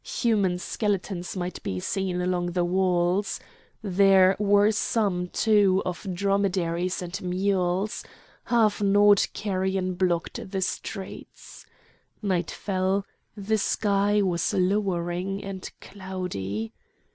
Human skeletons might be seen along the walls. There were some, too, of dromedaries and mules. Half gnawed carrion blocked the streets. Night fell. The sky was lowering and cloudy.